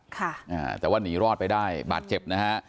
ค่ะอ่าแต่ว่าหนีรอดไปได้บาดเจ็บนะฮะ